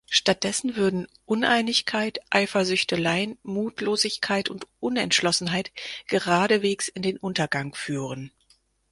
Stattdessen würden Uneinigkeit, Eifersüchteleien, Mutlosigkeit und Unentschlossenheit geradewegs in den Untergang führen.